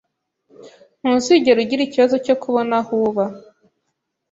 Ntuzigera ugira ikibazo cyo kubona aho uba